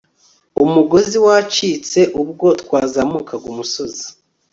umugozi wacitse ubwo twazamukaga umusozi